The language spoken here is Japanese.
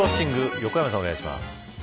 横山さん、お願いします。